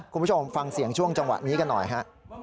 คุณผู้ชมฟังเสียงช่วงจังหวะนี้กันหน่อยฮะ